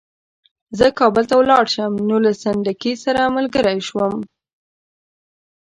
زه کابل ته ولاړ شم نو له سنډکي سره ملګری شوم.